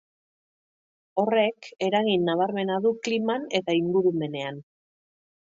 Horrek eragin nabarmena du kliman eta ingurumenean.